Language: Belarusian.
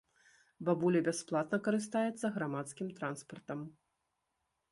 Бабуля бясплатна карыстаецца грамадскім транспартам.